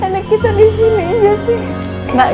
anak kita di sini jessy